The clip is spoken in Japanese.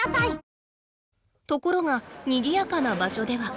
ところがにぎやかな場所では。